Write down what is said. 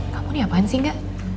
kamu nih apaan sih gak